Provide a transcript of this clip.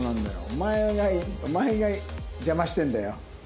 お前がお前が邪魔してんだよ。